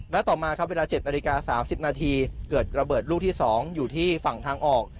และต่อมาครับเวลา๗นาฬิกา๓๐นาทีเกิดระเบิดลูกที่๒อยู่ที่ฝั่งทางออก